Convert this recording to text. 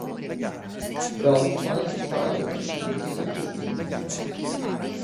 Dal Fairchild non si seppe più nulla.